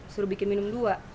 suruh bikin minum dua